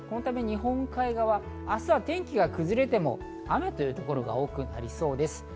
日本海側、明日は天気が崩れても雨という所が多くなりそうです。